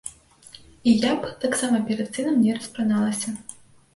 І я б таксама перад сынам не распраналася.